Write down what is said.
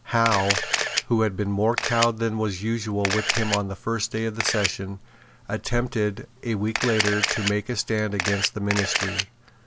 Howe, who had been more cowed than was usual with him on the first day of the session, attempted, a week later, to make a stand against the Ministry.